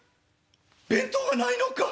弁当がないのか？